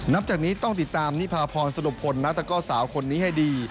นับจากนี้ต้องติดตามนิพาพรสรุปพลนัตก้อสาวคนนี้ให้ดี